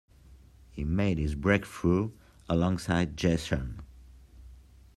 He made his breakthrough alongside Jay Sean.